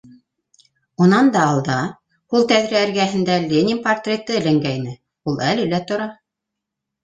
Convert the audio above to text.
Ә унан да алда һул тәҙрә эргәһендә Ленин портреты эленгәйне, ул әле лә тора...